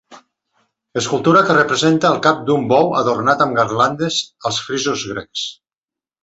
Escultura que representa el cap d'un bou adornat amb garlandes, als frisos grecs.